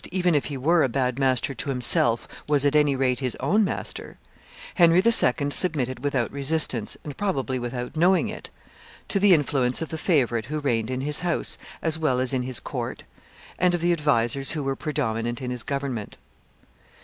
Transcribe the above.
even if he were a bad master to himself, was at any rate his own master, Henry II. submitted without resistance, and probably without knowing it, to the influence of the favorite who reigned in his house as well as in his court, and of the advisers who were predominant in his government.